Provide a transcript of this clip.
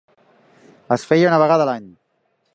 Es feia una vegada a l'any.